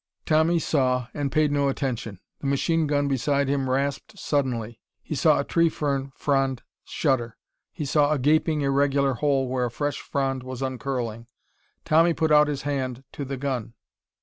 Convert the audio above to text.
Tommy saw, and paid no attention. The machine gun beside him rasped suddenly. He saw a tree fern frond shudder. He saw a gaping, irregular hole where a fresh frond was uncurling. Tommy put out his hand to the gun.